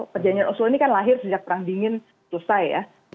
perjanjian oso ini kan lahir sejak perang dingin selesai ya